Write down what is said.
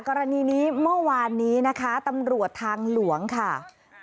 กรณีนี้เมื่อวานนี้นะคะตำรวจทางหลวงค่ะ